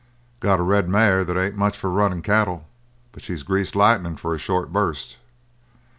"Got a red mare that ain't much for runnin' cattle, but she's greased lightnin' for a short bust."